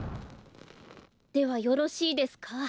ではよろしいですか？